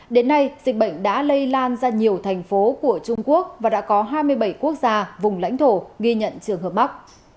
đến nay dịch bệnh đã lây lan ra nhiều thành phố của trung quốc và đã có hai mươi bảy quốc gia vùng lãnh thổ ghi nhận trường hợp mắc